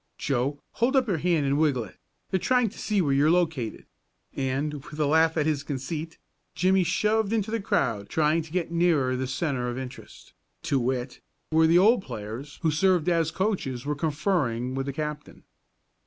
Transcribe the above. Joe, hold up your hand and wriggle it they're trying to see where you're located," and, with a laugh at his conceit, Jimmie shoved into the crowd trying to get nearer the centre of interest to wit, where the old players who served as coaches were conferring with the captain.